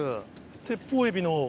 テッポウエビの。